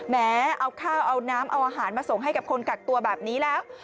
แม้เอาข้าวเอาน้ำเอาอาหารมาส่งให้กับคนกักตัวแบบนี้แล้ว